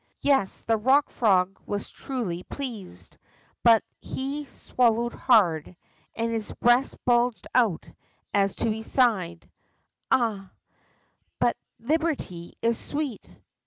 Yes, the Rock Frog was truly pleased. But he swallowed hard, and his breast bulged out, as he sighed: Ah, but liberty is sweet